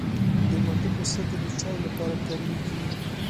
د مالټې پوستکی د چای لپاره کارېږي.